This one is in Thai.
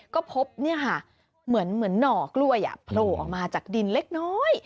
ก็พบเหมือนหน่อกล้วยโผล่ออกมาจากดินเล็กน้อย